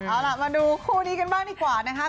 เอาล่ะมาดูคู่นี้กันบ้างดีกว่านะคะ